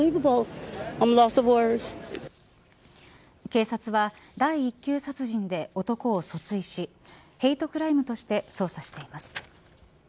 警察は第１級殺人で男を訴追しヘイトクライムとして捜査しています。